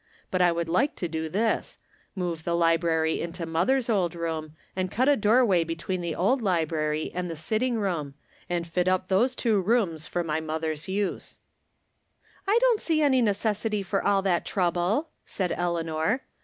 " But I would like to do this ; move the library into mother's ^ old room, and cut a doorway between the old library and the sitting room, and fit up those two rooms for my mother's use." " I don't see any necessity for all that trouble," said Eleanor.